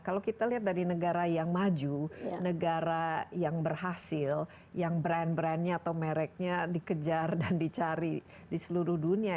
kalau kita lihat dari negara yang maju negara yang berhasil yang brand brandnya atau mereknya dikejar dan dicari di seluruh dunia